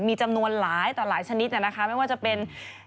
มีจำนวนหลายต่อหลายชนิดนะคะไม่ว่าจะเป็น